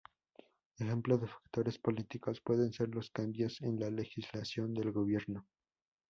Ejemplo de factores políticos pueden ser los cambios en la legislación del gobierno.